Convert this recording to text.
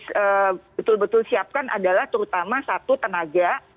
kita betul betul siapkan adalah terutama satu tenaga